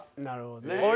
なるほどね。